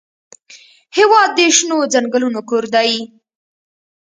هېواد د شنو ځنګلونو کور دی.